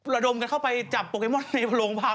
ระดมกันเข้าไปจับโปเกมอนในโรงพัก